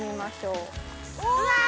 うわ！